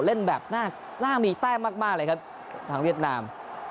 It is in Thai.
เล่นแบบน่ามีแต้มมากเลยครับทางเวียดนาม